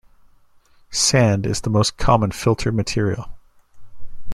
Sand is the most common filter material.